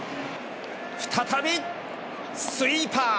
再びスイーパー。